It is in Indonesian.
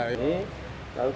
ini lalu kita